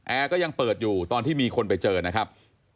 ก็ยังเปิดอยู่ตอนที่มีคนไปเจอนะครับ